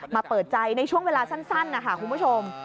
เปิดใจในช่วงเวลาสั้นนะคะคุณผู้ชม